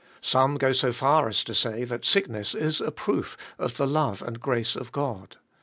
Some go so far as to say ftbat sickness is a proof of the love and grace of God.